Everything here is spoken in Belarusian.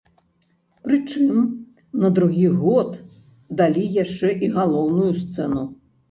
Прычым, на другі год далі яшчэ і галоўную сцэну.